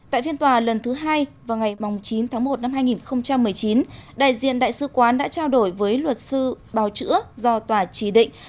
tại phiên tòa lần thứ hai vào ngày chín tháng một năm hai nghìn một mươi chín đại diện đại sứ quán đã trao đổi với luật sư bào chữa do tòa chỉ định